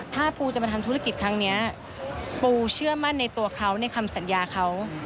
ถ้าปูจะมาทำธุรกิจครั้งนี้ปูเชื่อมั่นในตัวเขาในคำสัญญาเขา